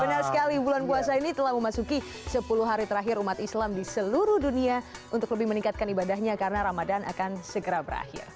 benar sekali bulan puasa ini telah memasuki sepuluh hari terakhir umat islam di seluruh dunia untuk lebih meningkatkan ibadahnya karena ramadan akan segera berakhir